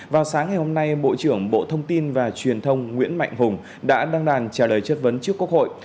vào sáng ngày hôm nay bộ trưởng bộ thông tin và truyền thông nguyễn mạnh hùng đã đăng đàn trả lời chất vấn trước quốc hội